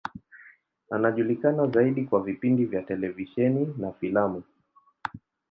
Anajulikana zaidi kwa vipindi vya televisheni na filamu.